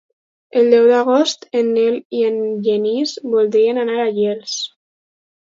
El deu d'agost en Nel i en Genís voldrien anar a Llers.